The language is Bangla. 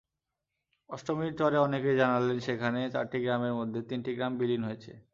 অষ্টমীর চরে অনেকেই জানালেন, সেখানে চারটি গ্রামের মধ্যে তিনটি গ্রাম বিলীন হয়েছে।